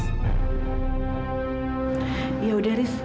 ya udah ris kita pulang aja yuk bu ambar juga gak ada